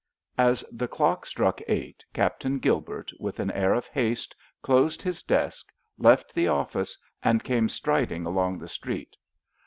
As the clock struck eight Captain Gilbert, with an air of haste, closed his desk, left the office and came striding along the street.